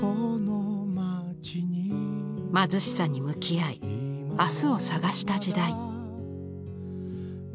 貧しさに向き合い明日を探した時代。